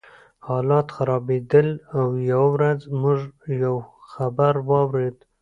حالات خرابېدل او یوه ورځ موږ یو خبر واورېد